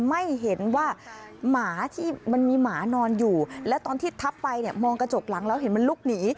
ไม่เห็นว่ามีหมานอนอยู่แล้วตอนที่ทับไปมองกระจกหลังแล้วเห็นมันลุกหนี